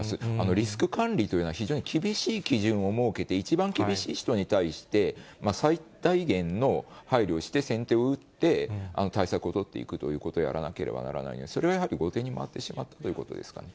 リスク管理というのは、非常に厳しい基準を設けて、一番厳しい人に対して、最大限の配慮をして、先手を打って対策を取っていくということをやらなければならない、それがやはり後手に回ってしまったということですかね。